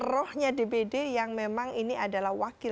rohnya dpd yang memang ini adalah wakil